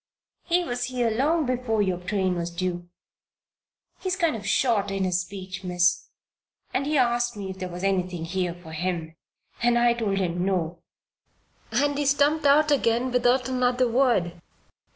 He was here long before your train was due. He's kind of short in his speech, Miss. And he asked me if there was anything here for him, and I told him no. And he stumped out again without another word.